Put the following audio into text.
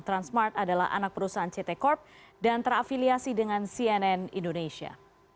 transmart adalah anak perusahaan ct corp dan terafiliasi dengan cnn indonesia